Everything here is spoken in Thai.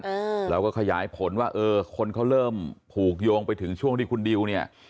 เออเราก็ขยายผลว่าเออคนเขาเริ่มผูกโยงไปถึงช่วงที่คุณดิวเนี่ย